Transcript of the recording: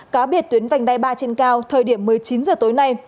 cá biệt tuyến vành đai ba trên cao thời điểm một mươi chín h tối nay